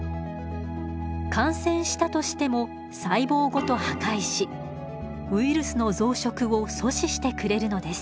感染したとしても細胞ごと破壊しウイルスの増殖を阻止してくれるのです。